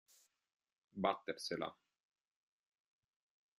Battersela.